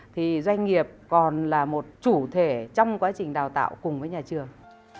thì doanh nghiệp còn là một chủ thể trong quá trình đào tạo cùng với nhà trường